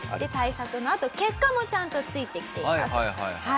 対策のあと結果もちゃんとついてきています。